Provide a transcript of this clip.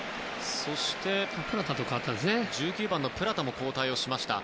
そして、１９番のプラタも交代をしました。